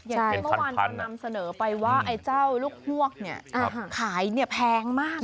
เมื่อวานฉันนำเสนอไปว่าไอ้เจ้าลูกห่วกเนี่ยขายเนี่ยแพงมาก